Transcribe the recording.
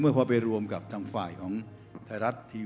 เพราะฉะนั้นเราทำกันเนี่ย